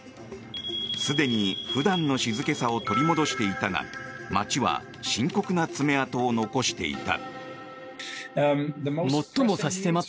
すでに普段の静けさを取り戻していたが街は、深刻な爪痕を残していた。